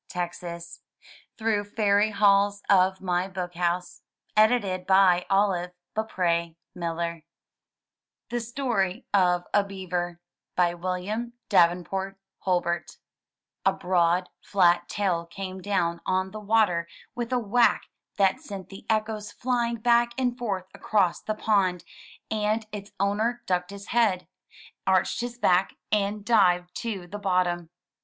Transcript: ii6 THROUGH FAIRY HALLS THE STORY OF A BEAVER* William Davenport Hulbert A broad, flat tail came down on the water with a whack that sent the echoes flying back and forth across the pond, and its owner ducked his head, arched his back, and dived to the bottom.